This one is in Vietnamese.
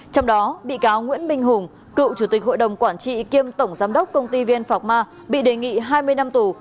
trong đó bị cáo nguyễn minh hùng cựu chủ tịch hội đồng quản trị kiêm tổng giám đốc công ty vn phạc ma bị đề nghị hai mươi năm tù